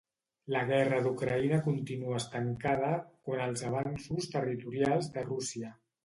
La guerra d’Ucraïna continua estancada quant als avanços territorials de Rússia.